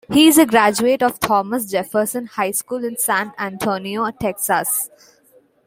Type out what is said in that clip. He is a graduate of Thomas Jefferson High School in San Antonio, Texas.